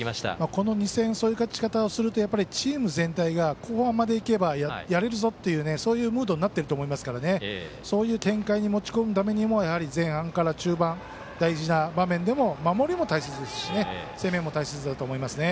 この２戦そういう勝ち方をするとチーム全体が後半までいけばやれるぞっていうそういうムードになっていると思いますからそういう展開に持ち込むためにも前半から中盤大事な場面でも守りも大切ですし攻めも大切だと思います。